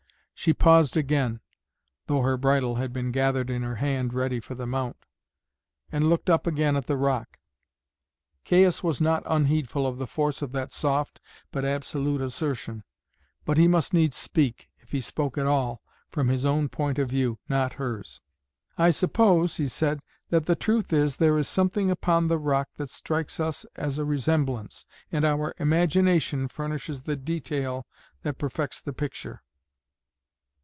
She paused again (though her bridle had been gathered in her hand ready for the mount), and looked up again at the rock. Caius was not unheedful of the force of that soft but absolute assertion, but he must needs speak, if he spoke at all, from his own point of view, not hers. "I suppose," he said, "that the truth is there is something upon the rock that strikes us as a resemblance, and our imagination furnishes the detail that perfects the picture."